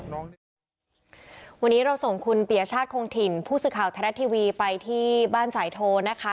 วันนี้เราส่งคุณปรียชาติโครงถิ่นพูดสิทธิ์ข่าวแทนท์ทีวีไปที่บ้านสายโทนนะคะ